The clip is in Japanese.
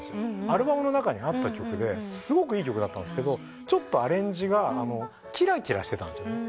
アルバムの中にあった曲ですごくいい曲だったんですがちょっとアレンジがきらきらしてたんですよね。